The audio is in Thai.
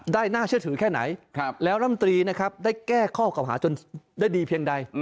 น่าเชื่อถือแค่ไหนแล้วลำตรีนะครับได้แก้ข้อเก่าหาจนได้ดีเพียงใด